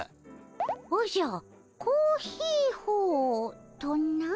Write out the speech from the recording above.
おじゃコーヒーホーとな？